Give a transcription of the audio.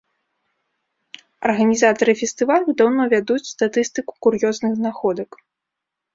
Арганізатары фестывалю даўно вядуць статыстыку кур'ёзных знаходак.